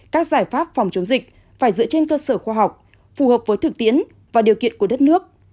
các giải pháp phòng chống dịch phải dựa trên cơ sở khoa học phù hợp với thực tiễn và điều kiện của đất nước